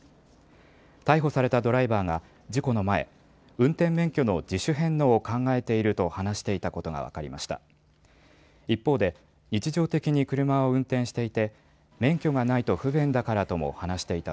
逮捕されたドライバーが事故の前、運転免許の自主返納を考えていると話していたことが分かりました。